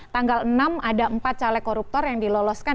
tanggal enam ada empat caleg koruptor yang diloloskan